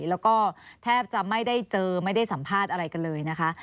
แล้วก็แทบจะไม่ได้เจอไม่ได้สัมภาษณ์อะไรกันเลยนะคะ